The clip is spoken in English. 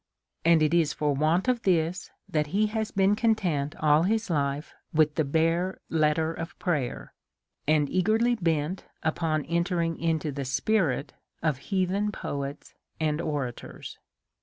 And it is for want of this that he has been content all his life with the bare letter of prayer, and eagerly bent upon entering into the spirit of heathen poets and orators.